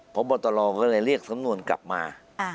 พบตรก็เลยเรียกสำนวนกลับมา